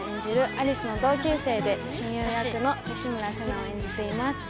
有栖の同級生で親友役の西村世奈を演じています